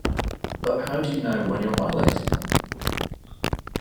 But how do you know when you're violating them?